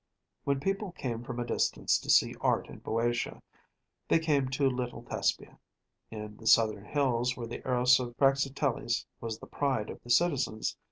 When people came from a distance to see art in BŇďotia, they came to little Thespiæ, in the southern hills, where the Eros of Praxiteles was the pride of the citizens.